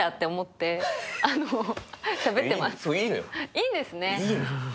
いいんですね。